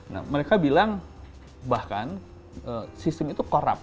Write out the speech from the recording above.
nah mereka bilang bahkan sistem itu corrup